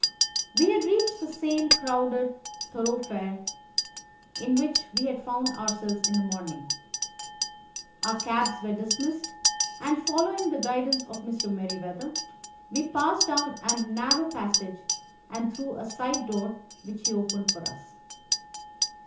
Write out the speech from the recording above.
We had reached the same crowded thoroughfare in which we had found ourselves in the morning. Our cabs were dismissed, and, following the guidance of Mr. Merryweather, we passed down a narrow passage and through a side door, which he opened for us.